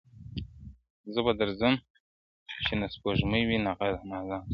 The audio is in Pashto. زه به درځم چي نه سپوږمۍ وي نه غمازي سترګي!!